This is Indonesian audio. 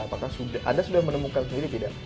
apakah anda sudah menemukan sendiri tidak